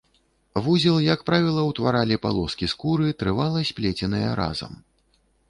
Вузел, як правіла, утваралі палоскі скуры, трывала сплеценыя разам.